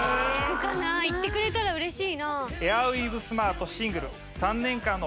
行ってくれたらうれしい。